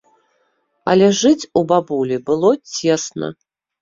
Але жыць у бабулі было цесна.